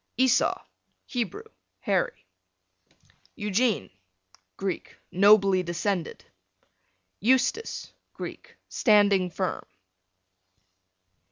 Esau, Hebrew, hairy. Eugene, Greek, nobly descended. Eustace, Greek, standing firm.